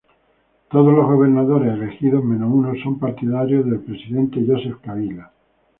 Todos los gobernadores elegidos, menos uno, son partidarios del presidente Joseph Kabila.